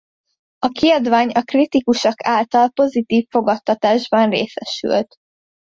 A kiadvány a kritikusok által pozitív fogadtatásban részesült.